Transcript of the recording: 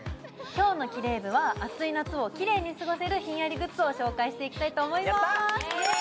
今日のキレイ部は暑い夏をキレイに過ごせるひんやりグッズを紹介していきたいと思いますやった！